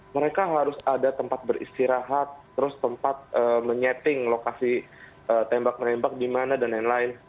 mereka harus ada tempat beristirahat terus tempat menyetting lokasi tembak menembak di mana dan lain lain